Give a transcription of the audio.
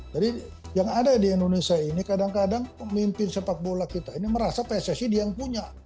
jadi yang ada di indonesia ini kadang kadang pemimpin sepak bola kita ini merasa pssi dia yang punya